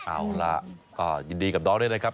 เอาล่ะก็ยินดีกับน้องด้วยนะครับ